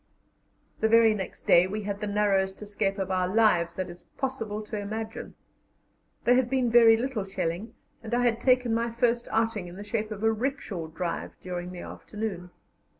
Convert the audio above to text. The very next day we had the narrowest escape of our lives that it is possible to imagine. There had been very little shelling, and I had taken my first outing in the shape of a rickshaw drive during the afternoon.